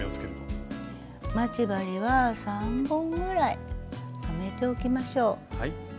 待ち針は３本ぐらい留めておきましょう。